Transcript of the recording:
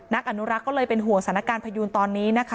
นักอนุรักษ์ก็เลยเป็นห่วงสถานการณ์พยูนตอนนี้นะคะ